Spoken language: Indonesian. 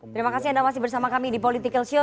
terima kasih anda masih bersama kami di political show